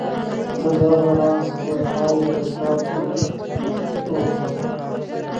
زه د دغه راز ویناوو د زیاتو ټولګو.